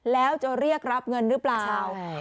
แล้วจะเรียกรับเงินหรือเปล่า